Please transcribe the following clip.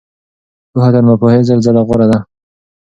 پوهه تر ناپوهۍ زر ځله غوره ده.